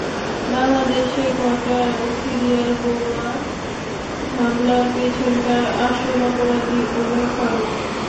বাংলাদেশে ঘটা সিরিয়াল বোমা হামলার পিছনকার আসল অপরাধী ওমর ফারুক।